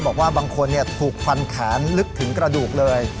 บอกว่าบางคนถูกฟันแขนลึกถึงกระดูกเลย